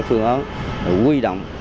phương án quy động